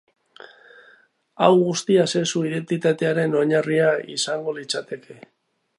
Hau guztia sexu identitatearen oinarria izango litzateke.